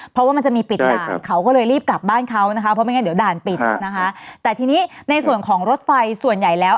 เพราะว่ามันจะมีปิดด่านเขาก็เลยรีบกลับบ้านเขานะคะเพราะไม่งั้นเดี๋ยวด่านปิดนะคะแต่ทีนี้ในส่วนของรถไฟส่วนใหญ่แล้ว